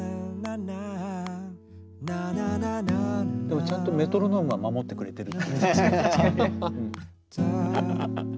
でもちゃんとメトロノームは守ってくれてる。